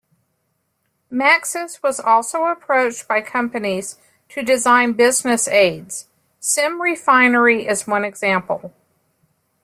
Maxis was also approached by companies to design business aids; "SimRefinery" is one example.